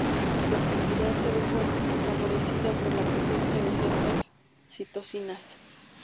Su actividad se ve favorecida por la presencia de ciertas citocinas.